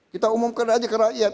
kita umumkan aja ke rakyat